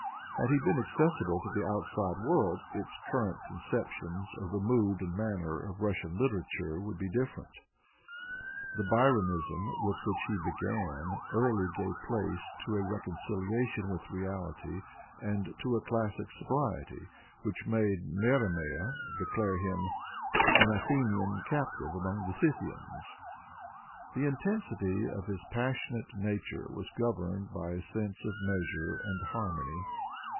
Had he been accessible to the outside world, its current concep tions of the mood and manner of Russian literature would be different. The Byronism with which he began, early gave place to a reconciliation with reality and to a classic sobriety which made Merimee declare him " An Athenian XI xii Introduction captive among the Scythians." The intensity of his pas sionate nature was governed by a sense of measure and harmony.